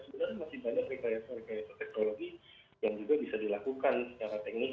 sebenarnya masih banyak rekayasa rekayasa teknologi yang juga bisa dilakukan secara teknis